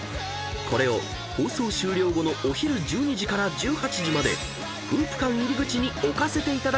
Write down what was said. ［これを放送終了後のお昼１２時から１８時まで「風布館」入り口に置かせていただきます］